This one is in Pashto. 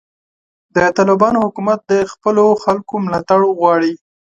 د طالبانو حکومت د خپلو خلکو ملاتړ غواړي.